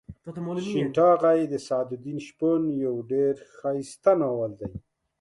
شین ټاغۍ د سعد الدین شپون یو ډېر ښایسته ناول دی.